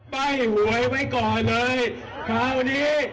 ไปหวยไว้ก่อนเลย